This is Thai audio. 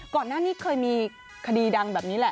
ก่อนหน้านี้เคยมีคดีดังแบบนี้แหละ